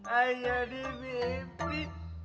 ayah di mimpi